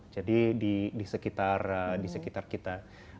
jadi di sekitar kita